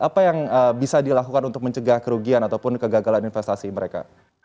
apa yang bisa dilakukan untuk mencegah kerugian ataupun kegagalan investasi mereka